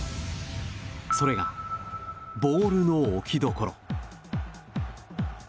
それが、ボールの置きどころ。